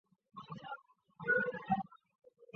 广东异型兰为兰科异型兰属下的一个种。